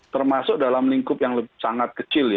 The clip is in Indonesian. termasuk dalam lingkup yang sangat kecil ya